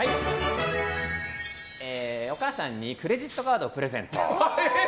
お母さんにクレジットカードをプレゼント。